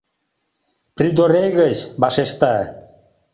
"Придорей гыч", - вашешта.